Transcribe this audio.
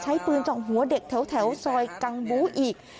ใช้ปืนเจาะหัวเด็กแถวแถวซอยค์กังบู้อีก